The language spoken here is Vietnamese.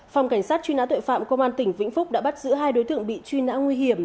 phòng cảnh sát truy nã tội phạm công an tỉnh vĩnh phúc đã bắt giữ hai đối tượng bị truy nã nguy hiểm